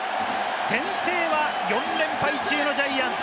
先制は４連敗中のジャイアンツ！